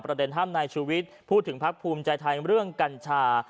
ประเด็นห้ามในชุวิตพูดถึงภาคภูมิใจไทยเรื่องกัญชา